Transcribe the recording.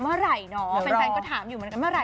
ต่างทั้งคู่เนี่ยเมื่อไหร่เนาะ